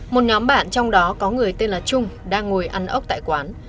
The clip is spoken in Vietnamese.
một nhóm bạn trong đó có người tên là trung đang ngồi ăn ốc tại quán